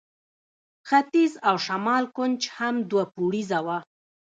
ختیځ او شمال کونج هم دوه پوړیزه وه.